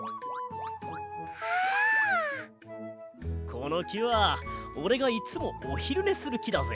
このきはおれがいつもおひるねするきだぜ。